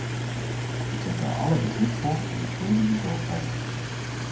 Ik heb daar alle begrip voor en ik deel die bezorgdheid.